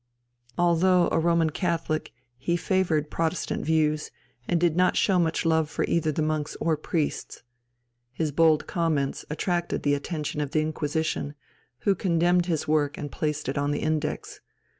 Although a Roman Catholic, he favoured Protestant views, and did not show much love for either the monks or priests. His bold comments attracted the attention of the Inquisition, who condemned his work and placed it on the Index.